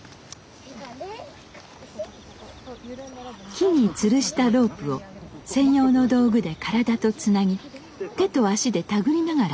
木につるしたロープを専用の道具で体とつなぎ手と足でたぐりながら登ります。